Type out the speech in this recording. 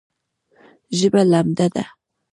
ژبه لمده ده